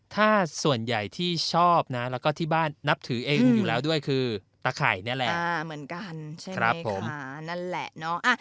ถ้าส่วนใหญ่ที่ชอบนะแล้วก็ที่บ้านนับถือเองอยู่แล้วด้วยคือตะไข่นี่แหละ